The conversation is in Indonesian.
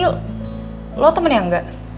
lu temen yang gak